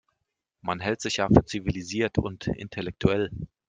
Man hält sich ja für zivilisiert und intellektuell.